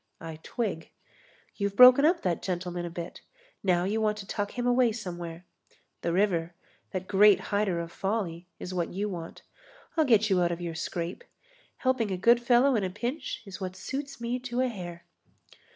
I twig. You've broken up that gentleman a bit; now you want to tuck him away somewhere. The river, that great hider of folly, is what you want. I'll get you out of your scrape. Helping a good fellow in a pinch is what suits me to a hair."